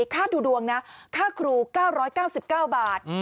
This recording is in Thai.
ค่าดูดวงนะค่าครู๙๙๙บาท